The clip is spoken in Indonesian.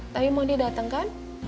tapi mondi dateng kan